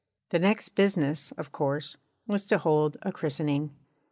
The next business, of course, was to hold a christening.